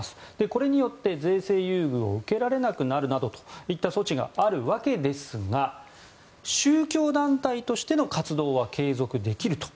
これによって税制優遇を受けられなくなるなどといった措置があるわけですが宗教団体としての活動は継続できると。